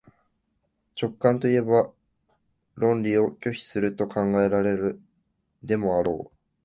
直観といえば論理を拒否すると考えられるでもあろう。